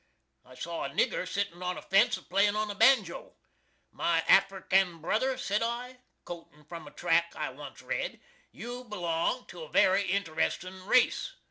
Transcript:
I saw a nigger sittin on a fence a playin on a banjo, "My Afrikan Brother," sed I, coting from a Track I onct red, "you belong to a very interestin race.